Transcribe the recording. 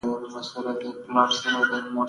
ویلنی خوړل خوړل معدې ته گټور دي.